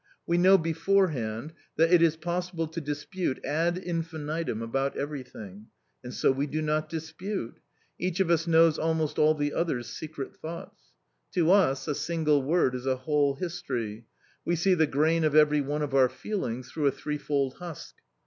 We know beforehand that it is possible to dispute ad infinitum about everything and so we do not dispute. Each of us knows almost all the other's secret thoughts: to us a single word is a whole history; we see the grain of every one of our feelings through a threefold husk.